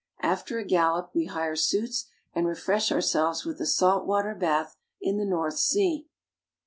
After a gallop we hire suits and refresh ourselves with a salt water bath in the North Sea.